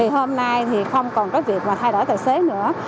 hôm nay không còn việc thay đổi tài xế nữa